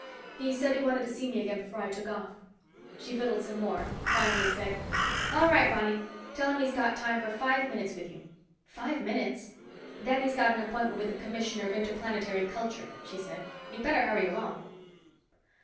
"He said he wanted to see me again before I took off." She fiddled some more, finally said, "All right, Ronny. Tell him he's got time for five minutes with you." "Five minutes!" "Then he's got an appointment with the Commissioner of Interplanetary Culture," she said. "You'd better hurry along."